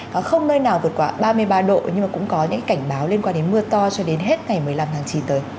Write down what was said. và không nơi nào vượt qua ba mươi ba độ nhưng mà cũng có những cảnh báo liên quan đến mưa to cho đến hết ngày một mươi năm tháng chín tới